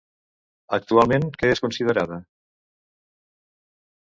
Actualment, què és considerada?